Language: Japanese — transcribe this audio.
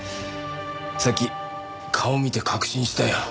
さっき顔見て確信したよ。